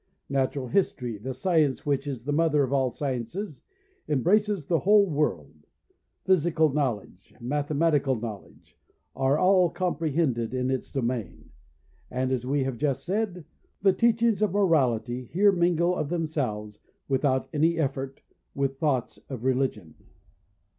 Natural History, the science which is the mother of all sciences, embraces the whole woild; physical knowledge, mathematical knowledge, are all comprehended in its domain; and, as we have just said, the teachings of morality, her", mingle of themselves, without any effort, with thoughts of religion.